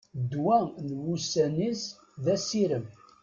Ddwa n wussan-is d asirem.